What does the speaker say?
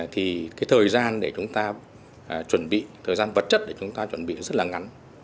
thì cái thời gian để chúng ta chuẩn bị thời gian vật chất để chúng ta chuẩn bị rất là ngắn